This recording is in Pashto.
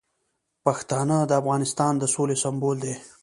پښتانه د افغانستان د سولې سمبول دي.